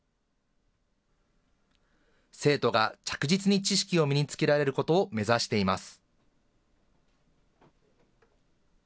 生徒が着実に知識を身につけられることを目指しています。